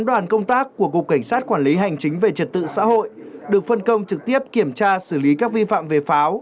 đoàn công tác của cục cảnh sát quản lý hành chính về trật tự xã hội được phân công trực tiếp kiểm tra xử lý các vi phạm về pháo